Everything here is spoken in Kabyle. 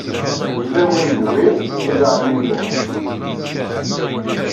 Yella win d wi yella ɛemmi Muḥ.